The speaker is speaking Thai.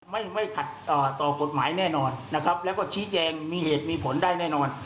ไม่ไม่ขัดต่อกฎหมายแน่นอนนะครับแล้วก็ชี้แจงมีเหตุมีผลได้แน่นอน